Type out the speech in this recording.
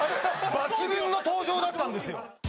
抜群の登場だったんですよ！